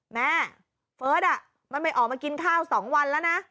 แม่เฟิร์สอ่ะมันไปออกมากินข้าว๒วันแล้วนะ